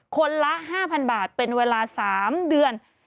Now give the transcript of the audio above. คนละ๕๐๐๐บาทเป็นเวลา๓เดือน